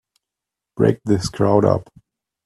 Break this crowd up!